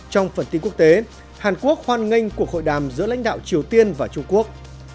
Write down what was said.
trong phần tin quốc tế hàn quốc hoan nghênh cuộc hội đàm giữa lãnh đạo triều tiên và trung quốc